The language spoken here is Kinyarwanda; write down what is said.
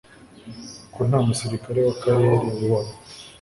ko nta musirikare w'akarere ubaho